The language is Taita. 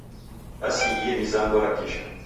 Dasighie mizango ra kisha.